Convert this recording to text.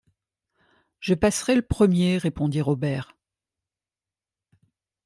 Je passerai le premier, répondit Robert.